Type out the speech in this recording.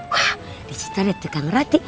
wah disitu ada tukang roti